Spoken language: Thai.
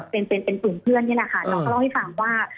เป็นสูงเพื่อนนี่แหละค่ะน้องเขาเล่าให้ฟังว่า